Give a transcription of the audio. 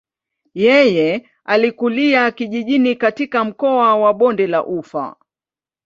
Yeye alikulia kijijini katika mkoa wa bonde la ufa.